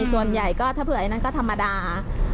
ส่วนใหญ่ก็ถ้าเผื่อไอ้นั้นก็ธรรมดา